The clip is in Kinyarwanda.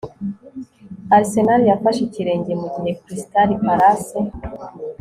Arsenal yafashe ikirenge mugihe Crystal Palace